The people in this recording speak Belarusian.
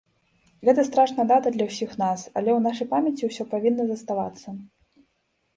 Гэта страшная дата для ўсіх нас, але ў нашай памяці ўсё павінна заставацца.